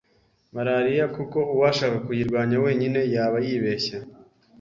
Malariya kuko uwashaka kuyirwanya wenyine yaba yibeshya